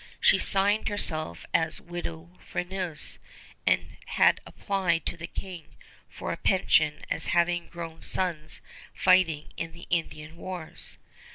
She signed herself as "Widow Freneuse," and had applied to the King for a pension as having grown sons fighting in the Indian wars.